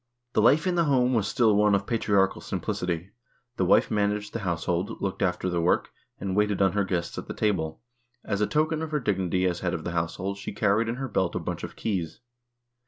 The life in the home was still one of patriarchal simplicity. The wife managed the house hold, looked after the work, and waited on her guests at the table. As a token of her dignity as head of the household she carried in her belt a bunch of keys.